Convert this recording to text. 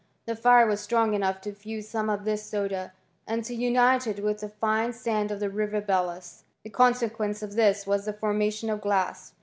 The fire was mg enough to fuse some of this soda, and to unite •rith the fine sand of the river Belus: the conse ince of this was the formation of glass.